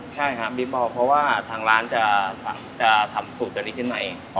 ใช่ค่ะบีฟบอลเพราะว่าทางร้านจะจะทำสูตรอันนี้ขึ้นใหม่อ๋อ